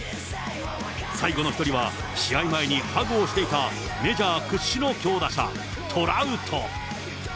最後の１人は、試合前にハグをしていたメジャー屈指の強打者、トラウト。